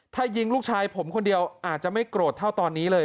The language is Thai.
ถ้ายิงลูกชายผมคนเดียวอาจจะไม่โกรธเท่าตอนนี้เลย